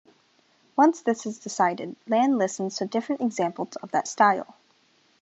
Once this is decided, Land listens to different examples of that style.